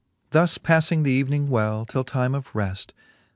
Thus palling th'evening well, till time of reft.